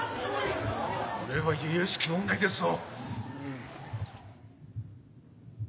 これはゆゆしき問題ですぞ。